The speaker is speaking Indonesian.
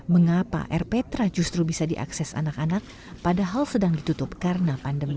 mengapa rptra justru bisa diakses anak anak padahal sedang ditutup karena pandemi